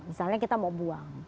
misalnya kita mau buang